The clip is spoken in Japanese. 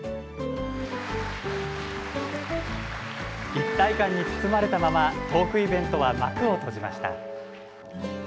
一体感に包まれたままトークイベントは幕を閉じました。